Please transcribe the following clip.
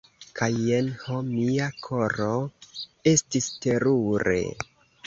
Kaj jen ho, mia koro, estis terure.